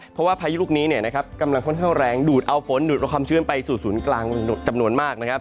เพราะว่าพายุลูกนี้กำลังค่อนข้างแรงดูดเอาฝนดูดเอาความชื้นไปสู่ศูนย์กลางจำนวนมากนะครับ